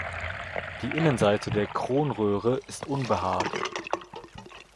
Die Innenseite der Kronröhre ist unbehaart.